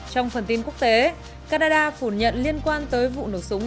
trong phần tin quốc tế canada phủ nhận liên quan tới vụ nổ súng